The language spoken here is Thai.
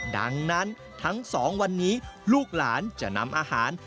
ดังนั้นทั้ง๒วันนี้ลูกหลานจะนำอาหาร